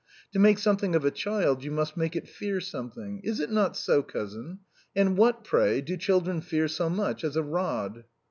To make something of a child, you must make it FEAR something. Is it not so, cousin? And what, pray, do children fear so much as a rod?"